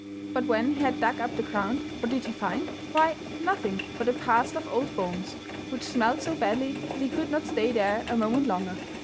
But when he had dug up the ground, what did he find? Why, nothing but a parcel of old bones, which smelt so badly that he could not stay there a moment longer.